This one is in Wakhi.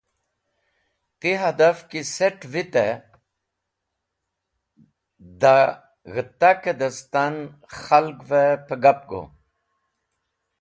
Ti hadaf ki set̃ vitẽ da g̃hẽtakẽ destan khalgvẽ pẽgap go.